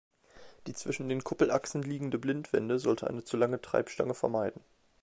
Die zwischen den Kuppelachsen liegende Blindwelle sollte eine zu lange Treibstange vermeiden.